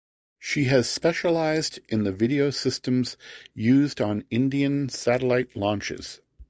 She has specialised in the video systems used on Indian satellite launches.